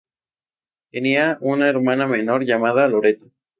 Tenía una hermana menor llamada Loretta.